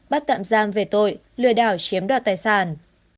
bắt tạm giam về tội lừa đảo chiếm đoạt tài sản